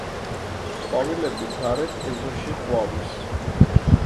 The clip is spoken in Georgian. ყვავილები გარეთ ეზოში ყვავის